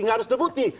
nggak harus terbukti